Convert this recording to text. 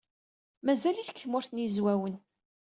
Mazal-itt deg Tmurt n Yizwawen.